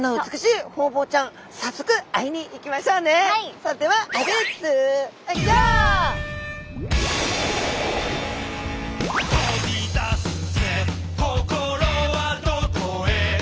それでは「飛び出すぜ心はどこへ」